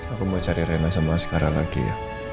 aku mau cari rena sama sekarang lagi ya